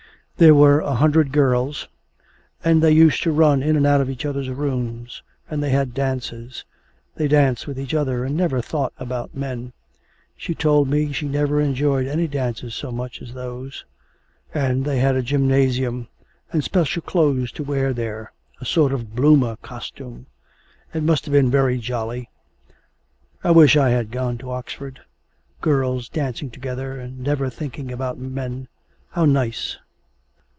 There were a hundred girls, and they used to run in and out of each other's rooms, and they had dances; they danced with each other, and never thought about men. She told me she never enjoyed any dances so much as those; and they had a gymnasium, and special clothes to wear there a sort of bloomer costume. It must have been very jolly. I wish I had gone to Oxford. Girls dancing together, and never thinking about men. How nice!